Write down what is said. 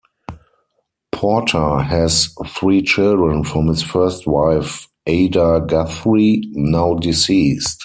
Porter has three children from his first wife, Ada Guthrie, now deceased.